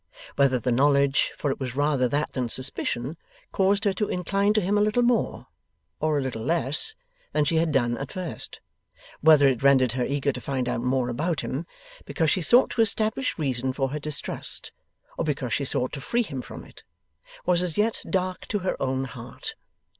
Whether the knowledge (for it was rather that than suspicion) caused her to incline to him a little more, or a little less, than she had done at first; whether it rendered her eager to find out more about him, because she sought to establish reason for her distrust, or because she sought to free him from it; was as yet dark to her own heart.